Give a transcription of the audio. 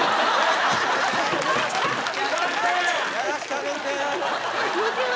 やらせてあげて。